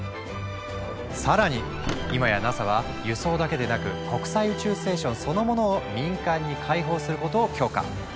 さらに今やＮＡＳＡは輸送だけでなく国際宇宙ステーションそのものを民間に開放することを許可。